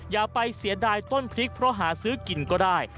อย่าไปเสียดายต้นพริกเพราะหาซื้อกินก็ได้